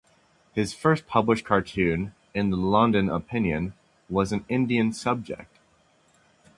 His first published cartoon, in the "London Opinion", was an Indian subject.